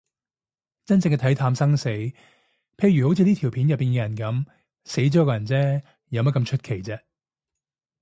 真正嘅睇淡生死，譬如好似呢條片入面嘅人噉，死咗個人嗟，有乜咁出奇啫